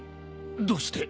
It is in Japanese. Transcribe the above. どうして？